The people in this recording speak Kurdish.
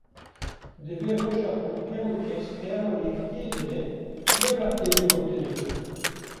Di vê roja ku hemû kes peyama yekitiyê dide, ne wextê vê gotinê bû.